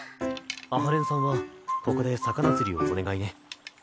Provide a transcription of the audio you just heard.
阿波連さんはここで魚釣りをお願いね。